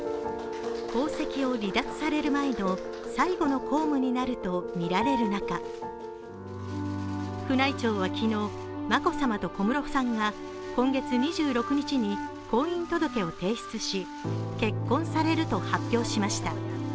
皇籍を離脱される前の最後の公務になるとみられる中宮内庁は昨日、眞子さまと小室さんが今月２６日に婚姻届を提出し結婚されると発表しました。